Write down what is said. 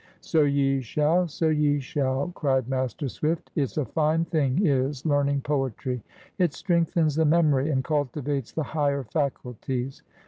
"So ye shall, so ye shall!" cried Master Swift. "It's a fine thing, is learning poetry. It strengthens the memory, and cultivates the higher faculties.